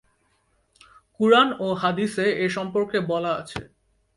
কুরআন ও হাদিসে এ সম্পর্কে বলা আছে।